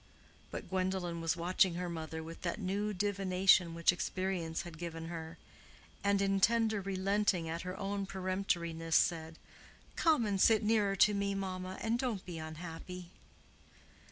But Gwendolen was watching her mother with that new divination which experience had given her; and in tender relenting at her own peremptoriness, said, "Come and sit nearer to me, mamma, and don't be unhappy."